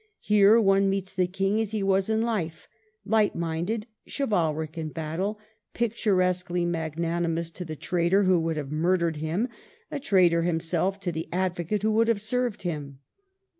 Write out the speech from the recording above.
Here one meets the King as he was in life, — light minded, chivalric in battle, picturesquely mag nanimous to the traitor who would have murdered him, a traitor himself to the advo cate who would have served him.